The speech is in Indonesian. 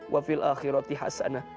wa fil akhirati hasanah